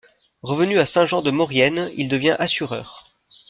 Revenu à Saint-Jean-de-Maurienne, il devient assureur.